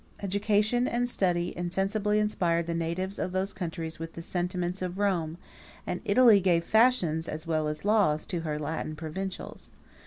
39 Education and study insensibly inspired the natives of those countries with the sentiments of Romans; and Italy gave fashions, as well as laws, to her Latin provincials.